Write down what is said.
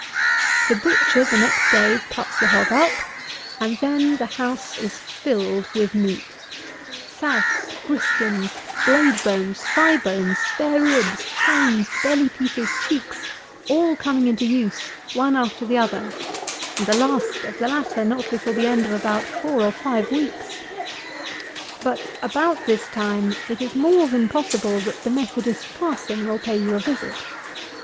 148. The butcher, the next day, cuts the hog up; and then the house is filled with meat! Souse, griskins, blade bones, thigh bones, spare ribs, chines, belly pieces, cheeks, all coming into use one after the other, and the last of the latter not before the end of about four or five weeks. But about this time, it is more than possible that the Methodist parson will pay you a visit.